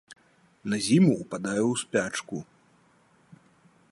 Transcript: На зіму ўпадае ў спячку.